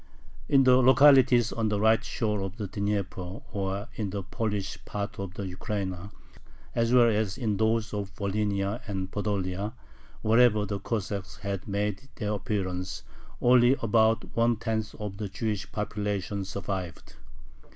In the localities on the right shore of the Dnieper or in the Polish part of the Ukraina as well as in those of Volhynia and Podolia, wherever the Cossacks had made their appearance, only about one tenth of the Jewish population survived.